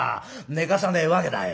寝かさねえわけだい」。